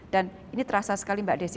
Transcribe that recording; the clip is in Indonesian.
dan ini terasa sekali mbak desy